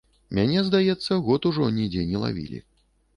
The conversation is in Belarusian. Мяне, здаецца, год ужо нідзе не лавілі.